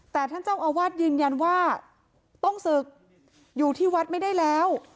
แต่ท่านเจ้าอาวาสยืนยันว่าต้องศึกอยู่ที่วัดไม่ได้แล้ว